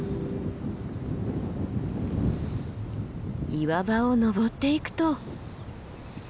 岩場を登っていくと。